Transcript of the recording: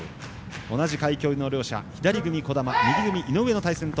同じ階級の両者左組み児玉、右組み井上。